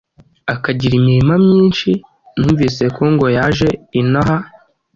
akagira imirima myinshi. Numvise ko ngo yaje ino aha